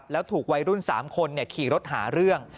แล้วถูกวัยรุ่น๓คนขี่รถหาเรื่อง